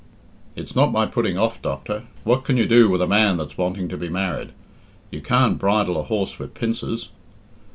"It's not my putting off, doctor. What can you do with a man that's wanting to be married? You can't bridle a horse with pincers."